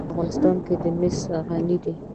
افغانستان په مس غني دی.